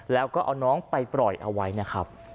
แล้วก็เอาน้องไปปล่อยเอาไว้นะครับ